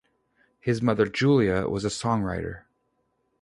His mother, Julia, was a songwriter.